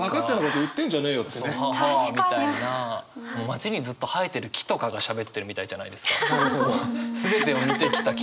街にずっと生えてる木とかがしゃべってるみたいじゃないですか。